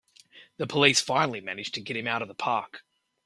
The police finally manage to get him out of the park!